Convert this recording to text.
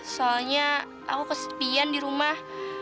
soalnya aku kesepian di rumah